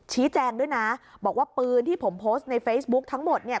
ชี้แจงด้วยนะบอกว่าปืนที่ผมโพสต์ในเฟซบุ๊กทั้งหมดเนี่ย